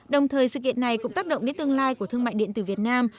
đồng thời sự kiện này cũng tác động đến tương lai của thương mại điện tử việt nam